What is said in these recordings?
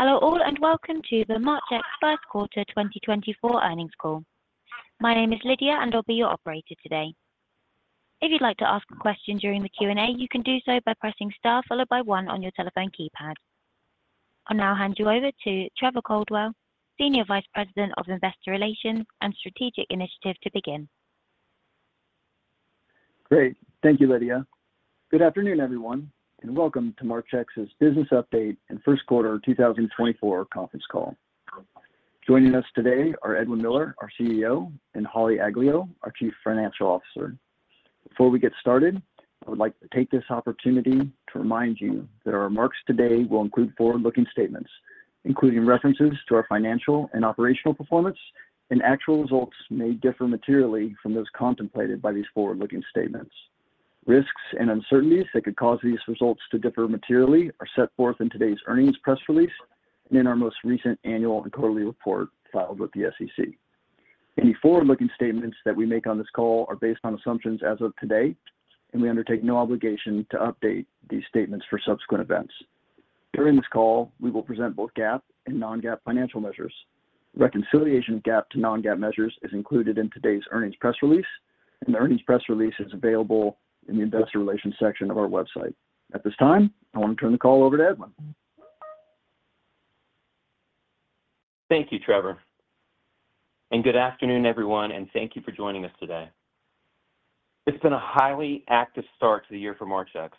Hello all and welcome to the Marchex first quarter 2024 earnings call. My name is Lydia and I'll be your operator today. If you'd like to ask a question during the Q&A, you can do so by pressing Star followed by one on your telephone keypad. I'll now hand you over to Trevor Caldwell, Senior Vice President of Investor Relations and Strategic Initiatives, to begin. Great. Thank you, Lydia. Good afternoon, everyone, and welcome to Marchex's business update and first quarter 2024 conference call. Joining us today are Edwin Miller, our CEO, and Holly Aglio, our Chief Financial Officer. Before we get started, I would like to take this opportunity to remind you that our remarks today will include forward-looking statements, including references to our financial and operational performance, and actual results may differ materially from those contemplated by these forward-looking statements. Risks and uncertainties that could cause these results to differ materially are set forth in today's earnings press release and in our most recent annual and quarterly report filed with the SEC. Any forward-looking statements that we make on this call are based on assumptions as of today, and we undertake no obligation to update these statements for subsequent events. During this call, we will present both GAAP and non-GAAP financial measures. Reconciliation of GAAP to non-GAAP measures is included in today's earnings press release, and the earnings press release is available in the Investor Relations section of our website. At this time, I want to turn the call over to Edwin. Thank you, Trevor. And good afternoon, everyone, and thank you for joining us today. It's been a highly active start to the year for Marchex.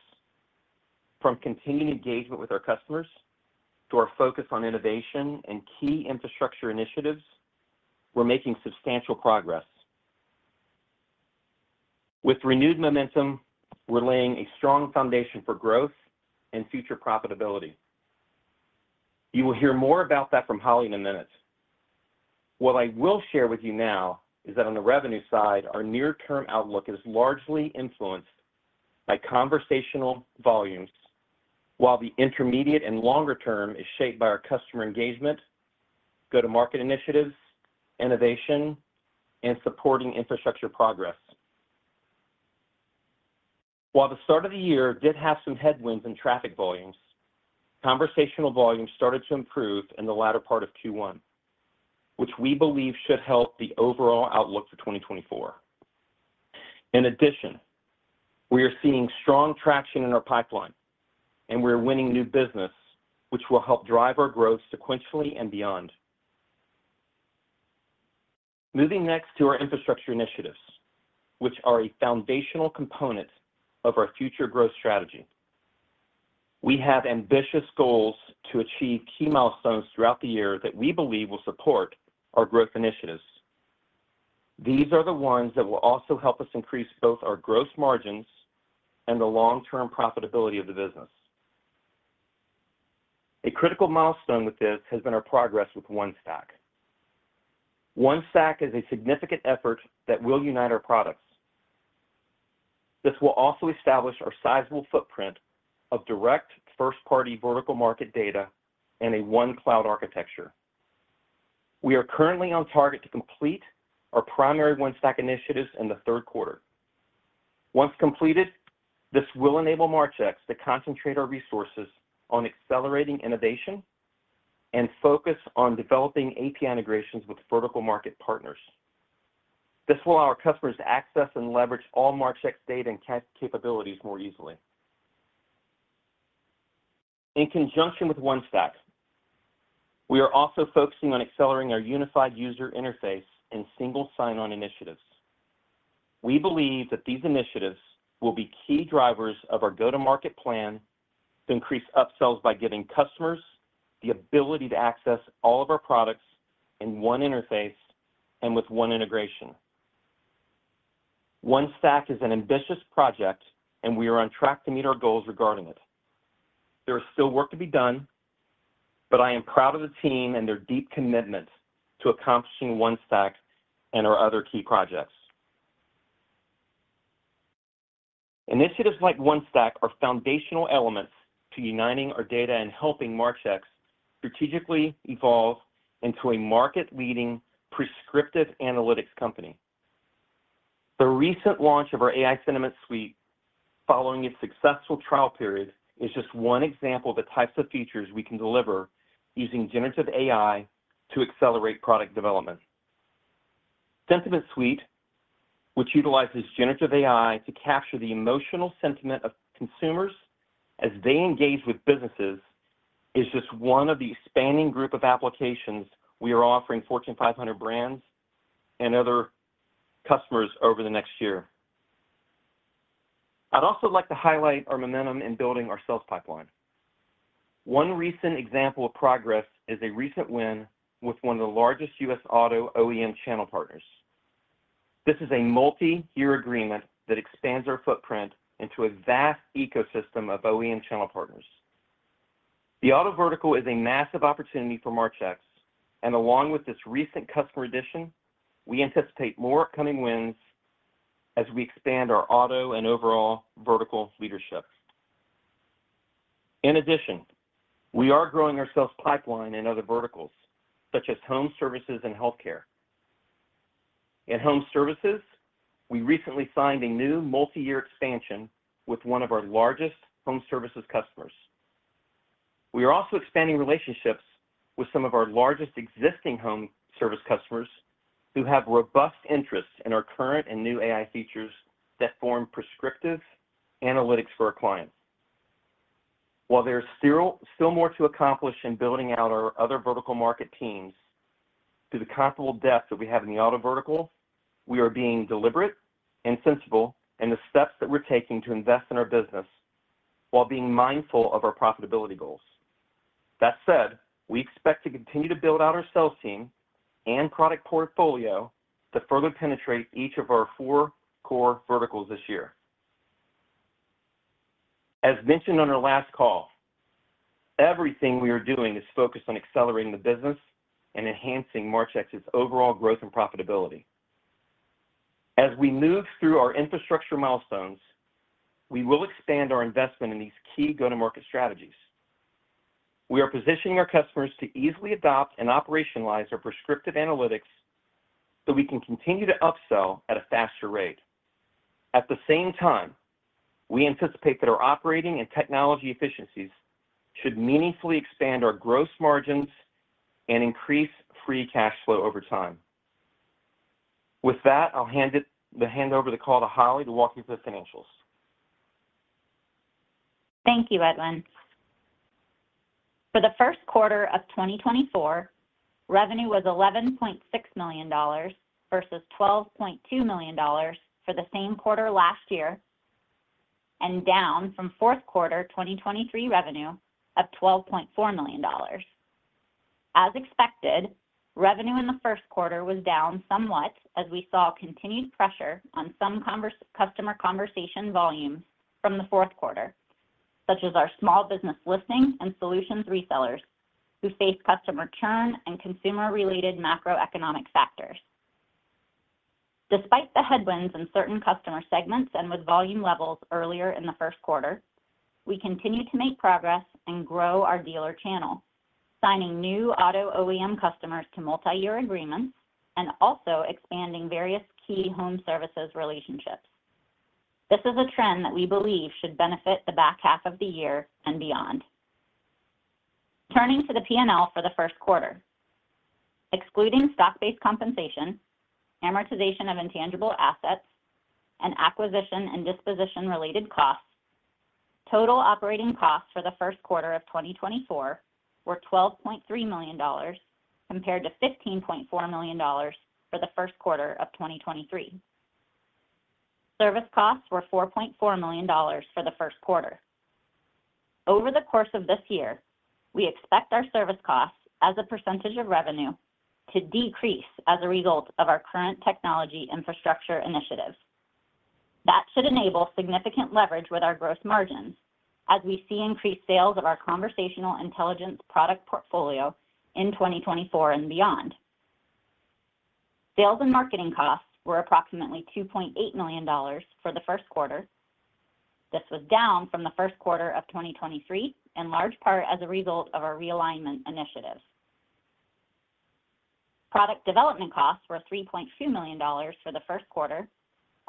From continued engagement with our customers to our focus on innovation and key infrastructure initiatives, we're making substantial progress. With renewed momentum, we're laying a strong foundation for growth and future profitability. You will hear more about that from Holly in a minute. What I will share with you now is that on the revenue side, our near-term outlook is largely influenced by conversational volumes, while the intermediate and longer term is shaped by our customer engagement, go-to-market initiatives, innovation, and supporting infrastructure progress. While the start of the year did have some headwinds in traffic volumes, conversational volumes started to improve in the latter part of Q1, which we believe should help the overall outlook for 2024. In addition, we are seeing strong traction in our pipeline, and we're winning new business, which will help drive our growth sequentially and beyond. Moving next to our infrastructure initiatives, which are a foundational component of our future growth strategy. We have ambitious goals to achieve key milestones throughout the year that we believe will support our growth initiatives. These are the ones that will also help us increase both our gross margins and the long-term profitability of the business. A critical milestone with this has been our progress with OneStack. OneStack is a significant effort that will unite our products. This will also establish our sizable footprint of direct first-party vertical market data and a One Cloud architecture. We are currently on target to complete our primary OneStack initiatives in the third quarter. Once completed, this will enable Marchex to concentrate our resources on accelerating innovation and focus on developing API integrations with vertical market partners. This will allow our customers to access and leverage all Marchex's data and capabilities more easily. In conjunction with OneStack, we are also focusing on accelerating our unified user interface and single sign-on initiatives. We believe that these initiatives will be key drivers of our go-to-market plan to increase upsells by giving customers the ability to access all of our products in one interface and with one integration. OneStack is an ambitious project, and we are on track to meet our goals regarding it. There is still work to be done, but I am proud of the team and their deep commitment to accomplishing OneStack and our other key projects. Initiatives like OneStack are foundational elements to uniting our data and helping Marchex strategically evolve into a market-leading prescriptive analytics company. The recent launch of our AI Sentiment Suite, following a successful trial period, is just one example of the types of features we can deliver using generative AI to accelerate product development. Sentiment Suite, which utilizes generative AI to capture the emotional sentiment of consumers as they engage with businesses, is just one of the expanding group of applications we are offering Fortune 500 brands and other customers over the next year. I'd also like to highlight our momentum in building our sales pipeline. One recent example of progress is a recent win with one of the largest U.S. auto OEM channel partners. This is a multi-year agreement that expands our footprint into a vast ecosystem of OEM channel partners. The auto vertical is a massive opportunity for Marchex, and along with this recent customer addition, we anticipate more upcoming wins as we expand our auto and overall vertical leadership. In addition, we are growing our sales pipeline in other verticals such as home services and healthcare. In home services, we recently signed a new multi-year expansion with one of our largest home services customers. We are also expanding relationships with some of our largest existing home service customers who have robust interest in our current and new AI features that form prescriptive analytics for our clients. While there is still more to accomplish in building out our other vertical market teams through the comparable depth that we have in the auto vertical, we are being deliberate and sensible in the steps that we're taking to invest in our business while being mindful of our profitability goals. That said, we expect to continue to build out our sales team and product portfolio to further penetrate each of our four core verticals this year. As mentioned on our last call, everything we are doing is focused on accelerating the business and enhancing Marchex's overall growth and profitability. As we move through our infrastructure milestones, we will expand our investment in these key go-to-market strategies. We are positioning our customers to easily adopt and operationalize our prescriptive analytics so we can continue to upsell at a faster rate. At the same time, we anticipate that our operating and technology efficiencies should meaningfully expand our gross margins and increase free cash flow over time. With that, I'll hand over the call to Holly to walk you through the financials. Thank you, Edwin. For the first quarter of 2024, revenue was $11.6 million versus $12.2 million for the same quarter last year and down from fourth quarter 2023 revenue of $12.4 million. As expected, revenue in the first quarter was down somewhat as we saw continued pressure on some customer conversation volumes from the fourth quarter, such as our small business listing and solutions resellers who face customer churn and consumer-related macroeconomic factors. Despite the headwinds in certain customer segments and with volume levels earlier in the first quarter, we continue to make progress and grow our dealer channel, signing new auto OEM customers to multi-year agreements and also expanding various key home services relationships. This is a trend that we believe should benefit the back half of the year and beyond. Turning to the P&L for the first quarter. Excluding stock-based compensation, amortization of intangible assets, and acquisition and disposition-related costs, total operating costs for the first quarter of 2024 were $12.3 million compared to $15.4 million for the first quarter of 2023. Service costs were $4.4 million for the first quarter. Over the course of this year, we expect our service costs as a percentage of revenue to decrease as a result of our current technology infrastructure initiatives. That should enable significant leverage with our gross margins as we see increased sales of our conversational intelligence product portfolio in 2024 and beyond. Sales and marketing costs were approximately $2.8 million for the first quarter. This was down from the first quarter of 2023 in large part as a result of our realignment initiatives. Product development costs were $3.2 million for the first quarter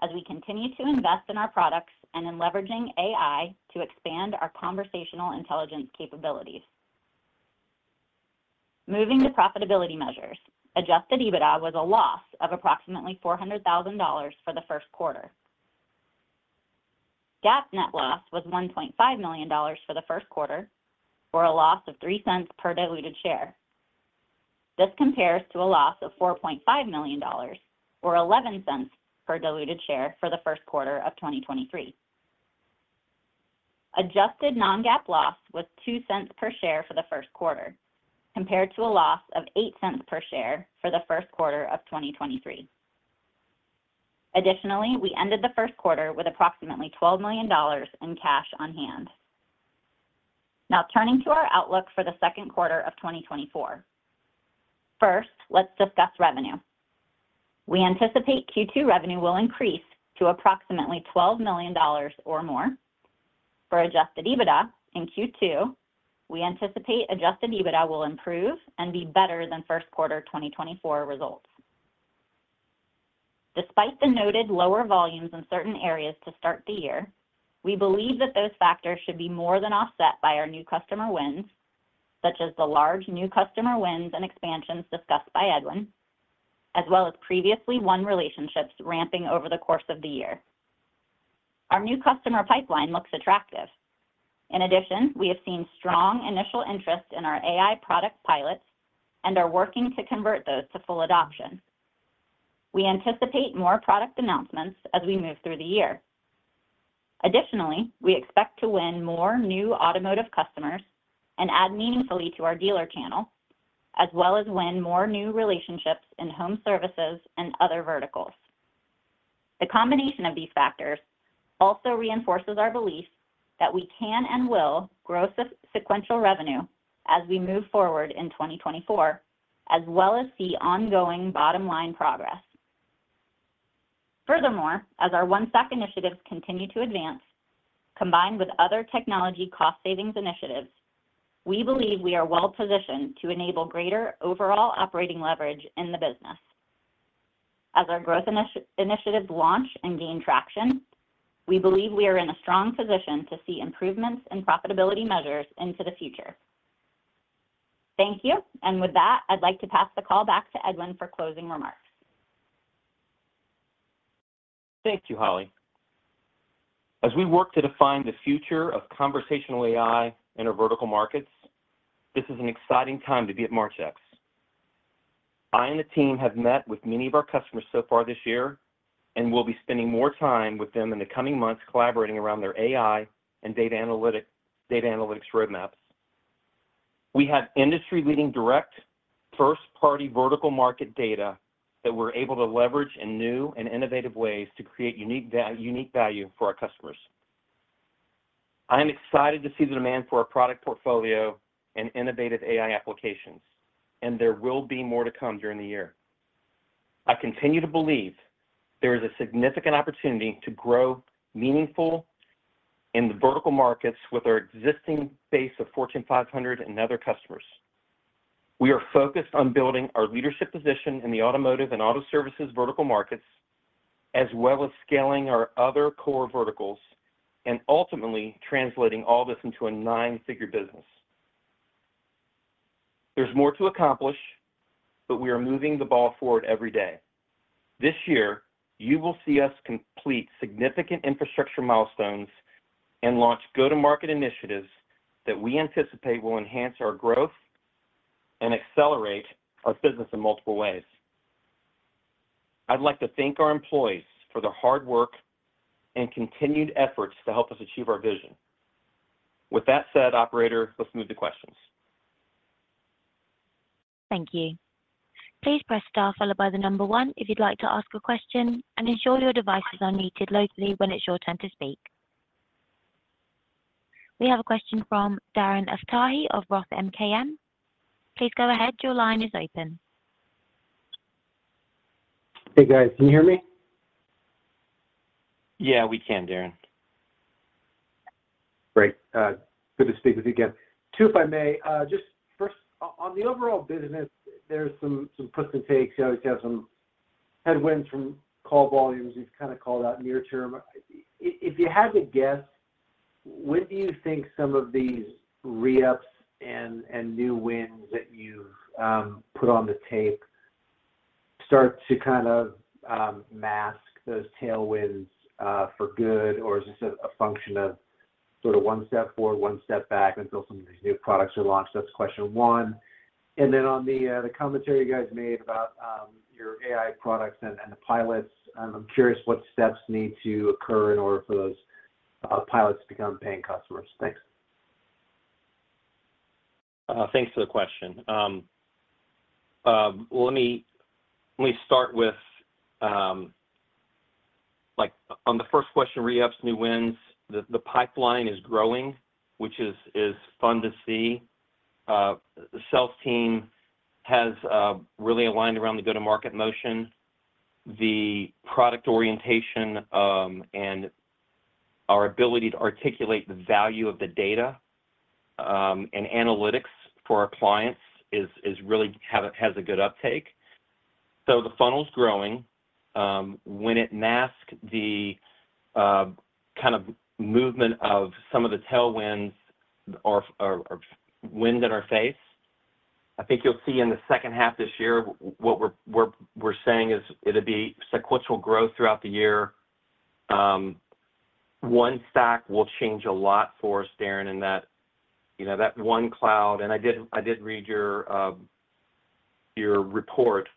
as we continue to invest in our products and in leveraging AI to expand our conversational intelligence capabilities. Moving to profitability measures, Adjusted EBITDA was a loss of approximately $400,000 for the first quarter. GAAP net loss was $1.5 million for the first quarter or a loss of $0.03 per diluted share. This compares to a loss of $4.5 million or $0.11 per diluted share for the first quarter of 2023. Adjusted non-GAAP loss was $0.02 per share for the first quarter compared to a loss of $0.08 per share for the first quarter of 2023. Additionally, we ended the first quarter with approximately $12 million in cash on hand. Now, turning to our outlook for the second quarter of 2024. First, let's discuss revenue. We anticipate Q2 revenue will increase to approximately $12 million or more. For adjusted EBITDA in Q2, we anticipate adjusted EBITDA will improve and be better than first quarter 2024 results. Despite the noted lower volumes in certain areas to start the year, we believe that those factors should be more than offset by our new customer wins, such as the large new customer wins and expansions discussed by Edwin, as well as previously won relationships ramping over the course of the year. Our new customer pipeline looks attractive. In addition, we have seen strong initial interest in our AI product pilots and are working to convert those to full adoption. We anticipate more product announcements as we move through the year. Additionally, we expect to win more new automotive customers and add meaningfully to our dealer channel, as well as win more new relationships in home services and other verticals. The combination of these factors also reinforces our belief that we can and will grow sequential revenue as we move forward in 2024, as well as see ongoing bottom-line progress. Furthermore, as our OneStack initiatives continue to advance, combined with other technology cost-savings initiatives, we believe we are well-positioned to enable greater overall operating leverage in the business. As our growth initiatives launch and gain traction, we believe we are in a strong position to see improvements in profitability measures into the future. Thank you. And with that, I'd like to pass the call back to Edwin for closing remarks. Thank you, Holly. As we work to define the future of conversational AI in our vertical markets, this is an exciting time to be at Marchex. I and the team have met with many of our customers so far this year and will be spending more time with them in the coming months collaborating around their AI and data analytics roadmaps. We have industry-leading direct first-party vertical market data that we're able to leverage in new and innovative ways to create unique value for our customers. I am excited to see the demand for our product portfolio and innovative AI applications, and there will be more to come during the year. I continue to believe there is a significant opportunity to grow meaningful in the vertical markets with our existing base of Fortune 500 and other customers. We are focused on building our leadership position in the automotive and auto services vertical markets, as well as scaling our other core verticals and ultimately translating all this into a nine-figure business. There's more to accomplish, but we are moving the ball forward every day. This year, you will see us complete significant infrastructure milestones and launch go-to-market initiatives that we anticipate will enhance our growth and accelerate our business in multiple ways. I'd like to thank our employees for their hard work and continued efforts to help us achieve our vision. With that said, operator, let's move to questions. Thank you. Please press star followed by the number one if you'd like to ask a question and ensure your devices are muted locally when it's your turn to speak. We have a question from Darren Aftahi of Roth MKM. Please go ahead. Your line is open. Hey, guys. Can you hear me? Yeah, we can, Darren. Great. Good to speak with you again. Too, if I may. Just first, on the overall business, there's some puts and takes. You always have some headwinds from call volumes. You've kind of called out near term. If you had to guess, when do you think some of these re-ups and new wins that you've put on the tape start to kind of mask those headwinds for good, or is this a function of sort of one step forward, one step back until some of these new products are launched? That's question one. And then on the commentary you guys made about your AI products and the pilots, I'm curious what steps need to occur in order for those pilots to become paying customers. Thanks. Thanks for the question. Well, let me start with on the first question, re-ups, new wins, the pipeline is growing, which is fun to see. The sales team has really aligned around the go-to-market motion. The product orientation and our ability to articulate the value of the data and analytics for our clients really has a good uptake. So the funnel's growing. When it masks the kind of movement of some of the tailwinds or winds at our face, I think you'll see in the second half this year what we're saying is it'll be sequential growth throughout the year. OneStack will change a lot for us, Darren, in that one cloud. And I did read your report,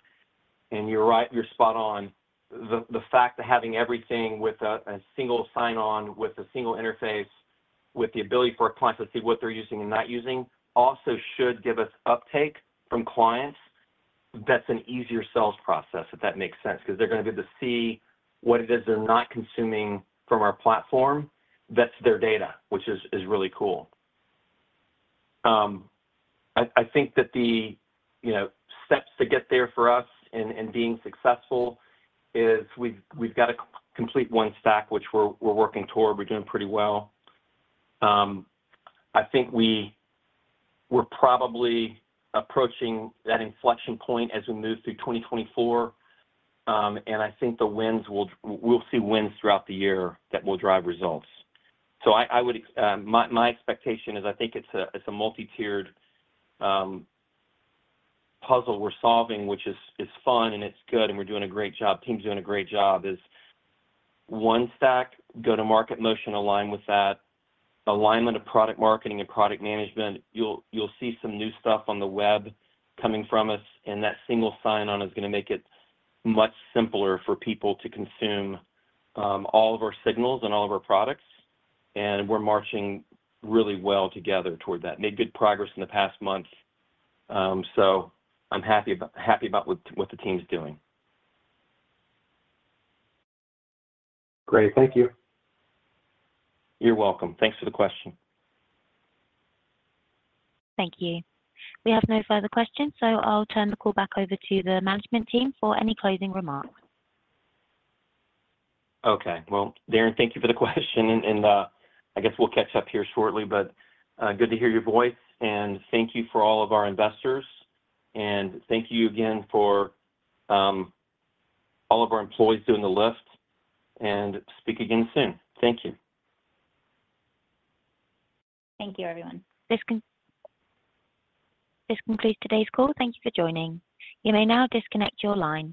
and you're spot on. The fact that having everything with a single sign-on, with a single interface, with the ability for our clients to see what they're using and not using also should give us uptake from clients. That's an easier sales process, if that makes sense, because they're going to be able to see what it is they're not consuming from our platform. That's their data, which is really cool. I think that the steps to get there for us and being successful is we've got to complete OneStack, which we're working toward. We're doing pretty well. I think we're probably approaching that inflection point as we move through 2024. And I think we'll see wins throughout the year that will drive results. So my expectation is I think it's a multi-tiered puzzle we're solving, which is fun, and it's good, and we're doing a great job. The team's doing a great job. OneStack, go-to-market motion aligned with that, alignment of product marketing and product management. You'll see some new stuff on the web coming from us, and that single sign-on is going to make it much simpler for people to consume all of our signals and all of our products. And we're marching really well together toward that. Made good progress in the past months. So I'm happy about what the team's doing. Great. Thank you. You're welcome. Thanks for the question. Thank you. We have no further questions, so I'll turn the call back over to the management team for any closing remarks. Okay. Well, Darren, thank you for the question. I guess we'll catch up here shortly, but good to hear your voice. Thank you for all of our investors. Thank you again for all of our employees doing the lift. Speak again soon. Thank you. Thank you, everyone. This concludes today's call. Thank you for joining. You may now disconnect your line.